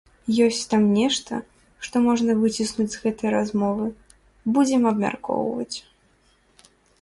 Ёсць там нешта, што можна выціснуць з гэтай размовы, будзем абмяркоўваць.